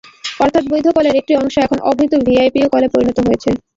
অর্থাৎ বৈধ কলের একটি অংশ এখন অবৈধ ভিওআইপি কলে পরিণত হয়েছে।